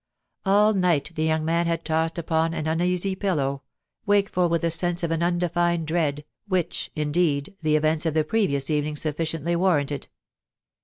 All night the young man liad tossed upon an uneasy pillow. LAST WORDS, 427 wakeful with the sense of an undefined dread, which, indeed, the events of the previous evening sufficiently warranted.